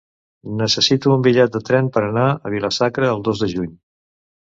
Necessito un bitllet de tren per anar a Vila-sacra el dos de juny.